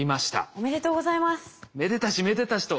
おめでとうございます。